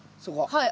はい。